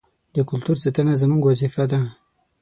د کلتور ساتنه زموږ وظیفه ده.